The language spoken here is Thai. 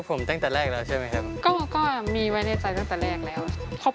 วันนี้นะครับ